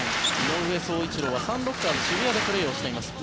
井上宗一郎はサンロッカーズ渋谷でプレーしています。